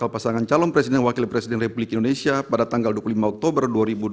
pasangan calon presiden dan wakil presiden republik indonesia pada tanggal dua puluh lima oktober dua ribu dua puluh